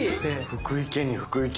福井県に福井県！